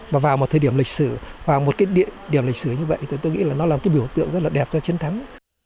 và vào một thời điểm lịch sử vào một địa điểm lịch sử như vậy tôi nghĩ là nó là một biểu tượng rất là đẹp cho chiến thắng